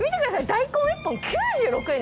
大根１本９６円ですよ。